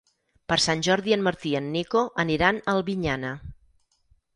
Per Sant Jordi en Martí i en Nico aniran a Albinyana.